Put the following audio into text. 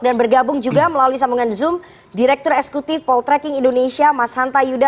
dan bergabung juga melalui sambungan zoom direktur eksekutif poltrekking indonesia mas hanta yuda